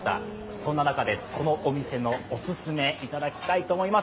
そんな中で、このお店のおすすめいただきたいと思います。